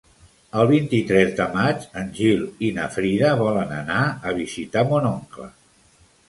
El vint-i-tres de maig en Gil i na Frida volen anar a visitar mon oncle.